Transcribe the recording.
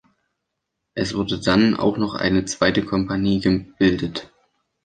Es wurde dann auch noch eine zweite Kompanie gebildet.